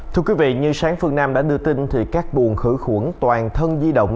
thưa quý vị như sáng phương nam đã đưa tin thì các buồn khử khuẩn toàn thân di động